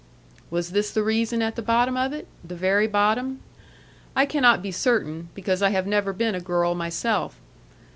Was this the reason at the bottom of it? The very bottom? I cannot be certain, because I have never been a girl myself.